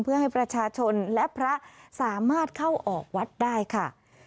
เพื่อให้ประชาชนและพระสามารถเข้าออกวัดได้ค่ะ